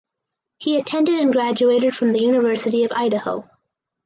He attended and graduated from the University of Idaho.